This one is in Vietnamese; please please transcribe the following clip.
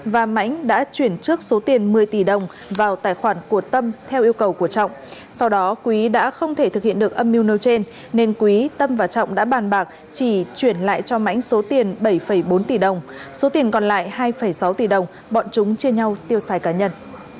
và mãnh đã chuyển trước số tiền một mươi tỷ đồng vào tài khoản của tâm theo yêu cầu của trọng sau đó quý đã không thể thực hiện được âm mưu nêu trên nên quý tâm và trọng đã bàn bạc chỉ chuyển lại cho mãnh số tiền bảy bốn tỷ đồng số tiền còn lại hai sáu tỷ đồng bọn chúng chia nhau tiêu xài cá nhân